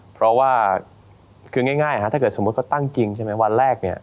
เพราะว่าคือง่ายถ้าเกิดสมมติเขาตั้งจริงวันแรก